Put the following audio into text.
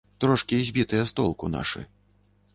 Трошкі збітыя з толку нашы.